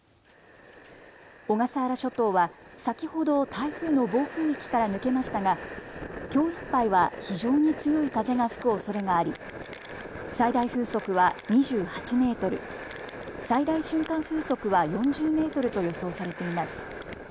小笠原諸島は先ほど台風の暴風域から抜けましたがきょういっぱいは非常に強い風が吹くおそれがあり最大風速は２８メートル、最大瞬間風速は４０メートルと予想されています。